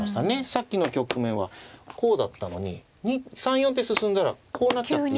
さっきの局面はこうだったのに３４手進んだらこうなっちゃってると。